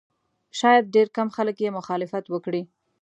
شاید ډېر کم خلک یې مخالفت وکړي.